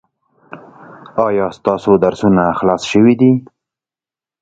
ایا ستاسو درسونه خلاص شوي دي؟